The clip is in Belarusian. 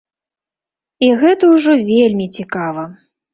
І гэта ўжо вельмі цікава.